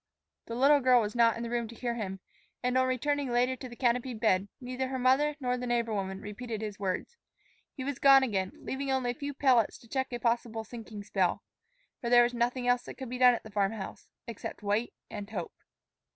The little girl was not in the room to hear him, and on returning later to the canopied bed, neither her mother nor the neighbor woman repeated his words. He was gone again, leaving only a few pellets to check a possible sinking spell. For there was nothing else that could be done at the farm house except wait and hope.